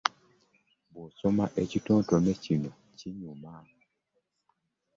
Bw’osoma ekitontome kino kinyuma.